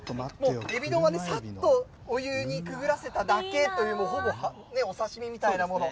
えび丼はさっとお湯にくぐらせただけという、ほぼお刺身みたいなもの。